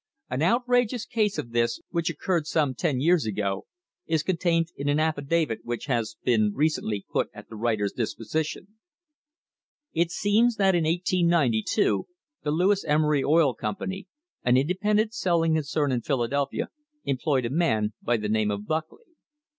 An outrageous case of this, which oc curred some ten years ago, is contained in an affidavit which has been recently put at the writer's disposition. It seems that in 1892 the Lewis Emery Oil Company, an independent sell ing concern in Philadelphia, employed a man by the name of Buckley.